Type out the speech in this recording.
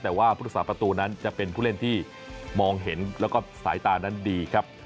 แต่ว่าผู้รักษาประตูนั้นจะเป็นผู้เล่นที่มองเห็นแล้วก็สายตานั้นดีครับ